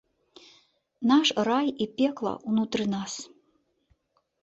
Наш рай і пекла ўнутры нас.